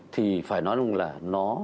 thì phải nói là nó